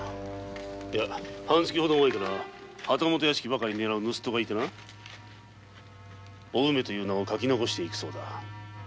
半月程前から旗本屋敷ばかりねらうぬすっとがいてなおうめという名を書き残して行くそうだ。